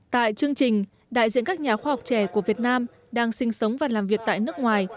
tại chương trình đại diện các nhà khoa học trẻ của việt nam đang sinh sống và làm việc tại nước ngoài